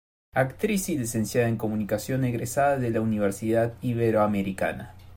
Actriz y Licenciada en Comunicación egresada de la Universidad Iberoamericana.